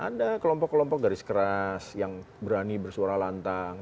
ada kelompok kelompok garis keras yang berani bersuara lantang